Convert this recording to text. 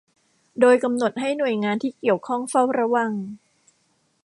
โดยกำหนดให้หน่วยงานที่เกี่ยวข้องเฝ้าระวัง